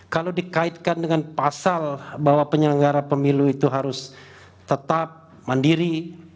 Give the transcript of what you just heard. kalau dikaitkan dengan pasal bahwa penyelenggara pemilu itu harus tetap mandiri